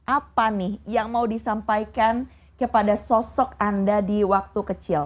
apa nih yang mau disampaikan kepada sosok anda di waktu kecil